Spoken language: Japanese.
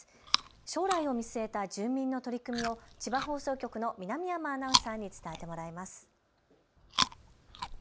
将来を見据えた住民の取り組みを千葉放送局の南山アナウンサーに伝えてもらいます。